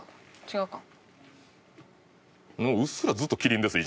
違うか。